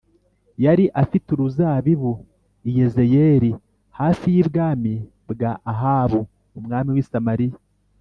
yari afite uruzabibu i Yezerēli hafi y’ibwami kwa Ahabu umwami w’i Samariya